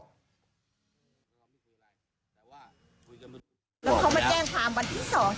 แล้วเขามาแจ้งความวันที่สอง